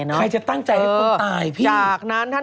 ใครจะตั้งใจเดี๋ยวก็ตายพี่